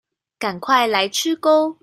趕快來吃鉤